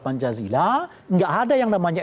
panjazila tidak ada yang namanya